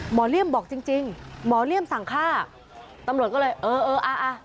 หมอเรียมบอกจริงหมอเรียมสั่งฆ่าตำลวจก็เลยเออเอออะอะ